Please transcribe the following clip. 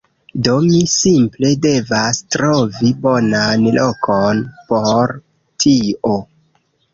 Do, mi simple devas trovi bonan lokon por tio